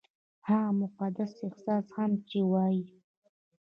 هغه مقدس احساس هم چې وايي-